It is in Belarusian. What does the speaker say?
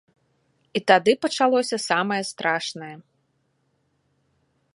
І тады пачалося самае страшнае.